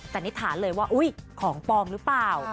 แต่นิสัยเลยว่าอุ๊ยของปลอมรึเปล่า